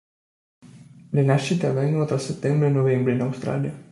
Le nascite avvengono tra settembre e novembre in Australia.